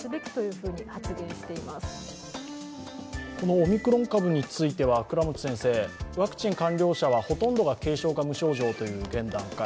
オミクロン株については、ワクチン完了者はほとんどは軽症か無症状という現段階